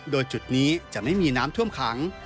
โดยจุดนี้จะไม่มีน้ำท่วมขัง